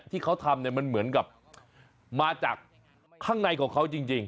ที่เขาทำเนี่ยมันเหมือนกับมาจากข้างในของเขาจริง